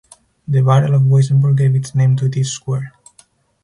The Battle of Weissenburg gave its name to this square.